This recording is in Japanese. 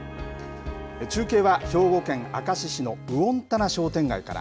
中継は兵庫県明石市の魚の棚商店街から。